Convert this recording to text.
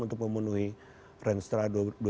untuk memenuhi renstra